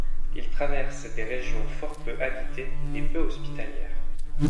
Il traverse des régions fort peu habitées et peu hospitalières.